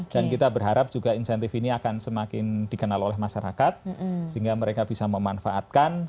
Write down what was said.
dan kita berharap juga insentif ini akan semakin dikenal oleh masyarakat sehingga mereka bisa memanfaatkan